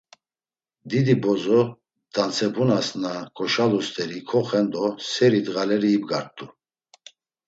Didi bozo dandzepunas na goşalu steri koxen do seri ndğaleri ibgart̆u.